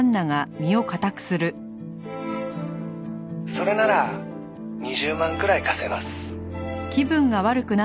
「それなら２０万くらい貸せます」